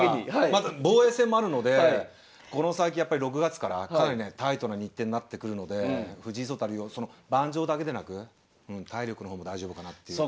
また防衛戦もあるのでこの最近やっぱり６月からかなりねタイトな日程になってくるので藤井聡太竜王盤上だけでなく体力の方も大丈夫かなっていう。